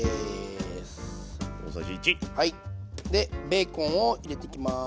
ベーコンを入れていきます。